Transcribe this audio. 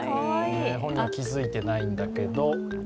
本人は気付いていないんだけれども。